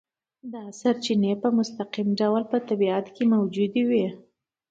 دا سرچینې په مستقیم ډول په طبیعت کې موجودې وي.